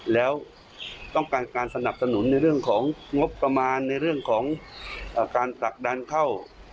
แล้วต้องการการสนับสนุนในเรื่องของงบประมาณในเรื่องของการผลักดันเข้า